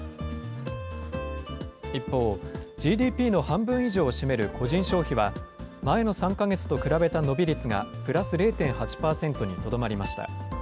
一方、ＧＤＰの半分以上を占める個人消費は、前の３か月と比べた伸び率がプラス０．８％にとどまりました。